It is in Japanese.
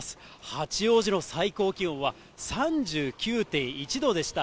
八王子の最高気温は３９．１度でした。